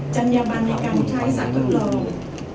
จรรยาบันในการใช้สะกดลอง